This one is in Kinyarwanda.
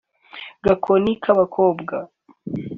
Gakoni k’abakobwa